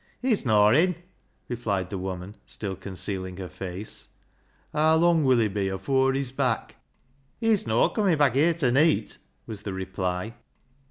" He's nor in," replied the woman, still con cealing her face. " Haa lung will he be afoor he's back ?"" He's noa comin' back here ta neet," was the reply.